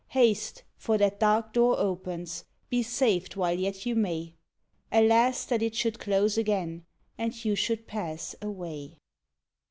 Haste! for that dark door opens! be saved while yet you may! Alas! that it should close again, and you should pass away.